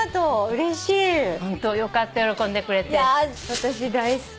私大好き。